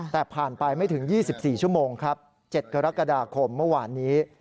แต่ผ่านไปไม่ถึง๒๔ชั่วโมงครับ๗กรกฎาคมเมื่อวานนี้